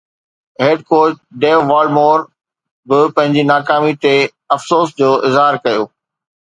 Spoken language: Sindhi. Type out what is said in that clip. هيڊ ڪوچ ڊيو واٽمور به پنهنجي ناڪامي تي افسوس جو اظهار ڪيو